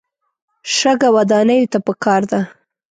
شګه ودانیو ته پکار ده.